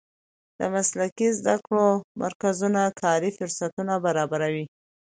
د مسلکي زده کړو مرکزونه کاري فرصتونه برابروي.